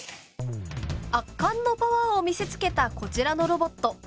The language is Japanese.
圧巻のパワーを見せつけたこちらのロボット。